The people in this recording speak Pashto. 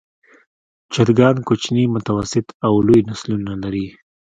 چرګان کوچني، متوسط او لوی نسلونه لري.